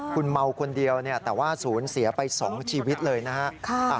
คุณเมาคนเดียวแต่ว่าศูนย์เสียไป๒ชีวิตเลยนะฮะ